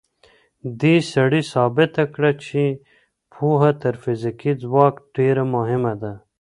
دې سړي ثابته کړه چې پوهه تر فزیکي ځواک ډېره مهمه ده.